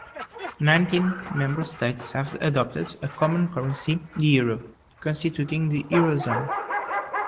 Nineteen member states have adopted a common currency, the euro, constituting the Eurozone.